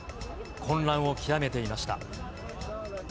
混乱を極めていました。